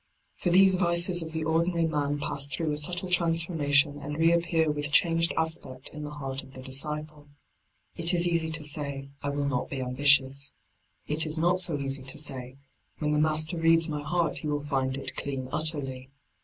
For these vices of the ordinary man pass through a subtle transformation and reappear with changed aspect in the heart of the disciple. It is easy to say, I will not be ambitious : it is not so easy to say, when the Master reads d by Google 22 LIGHT ON THE PATH my heart he will find it clean utterly.